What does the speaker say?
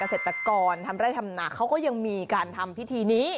เศรษฐกรทำไร่ทำนาเขาก็ยังมีการทำพิธีนี้